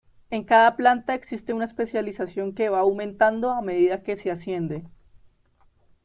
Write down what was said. En cada planta existe una especialización que va aumentando a medida que se asciende.